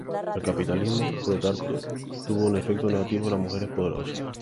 El capitalismo, por lo tanto, tuvo un efecto negativo en las mujeres poderosas.